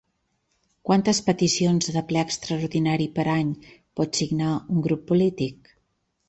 Quantes peticions de ple extraordinari per any pot signar un grup polític?